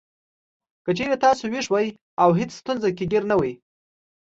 که چېرې تاسو وېښ وئ او هېڅ ستونزو کې ګېر نه وئ.